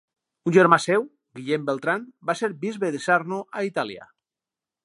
Un germà seu, Guillem Beltran, va ser bisbe de Sarno, a Itàlia.